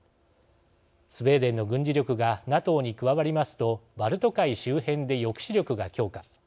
スウェーデンの軍事力がＮＡＴＯに加わりますとバルト海周辺で抑止力が強化。